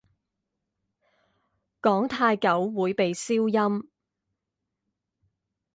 講太久會被消音